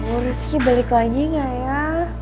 oh rifqi balik lagi nggak ya